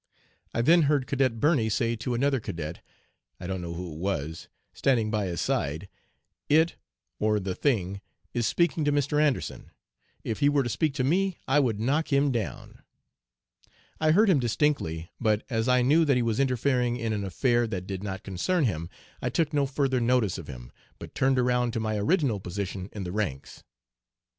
I then heard Cadet Birney say to another cadet I don't know who it was standing by his side, "It (or the thing) is speaking to Mr. Anderson. If he were to speak to me I would knock him down." I heard him distinctly, but as I knew that he was interfering in an affair that did not concern him, I took no further notice of him, but turned around to my original position in the ranks.